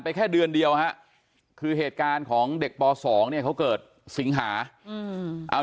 แค่เดือนเดียวฮะคือเหตุการณ์ของเด็กป๒เนี่ยเขาเกิดสิงหาเอา